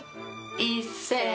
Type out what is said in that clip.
いっせー